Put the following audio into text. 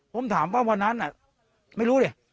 ผมถามว่าวันนั้นไม่รู้ดิ